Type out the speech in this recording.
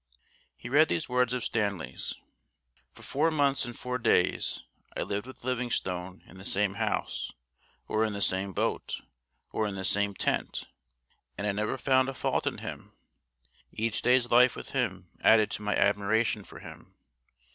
He read these words of Stanley's: "For four months and four days I lived with Livingstone in the same house, or in the same boat, or in the same tent, and I never found a fault in him.... Each day's life with him added to my admiration for him.